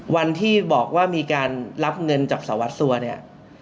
วันที่บอกว่ามีการรับเงินจากสารวัตรสัวเนี่ย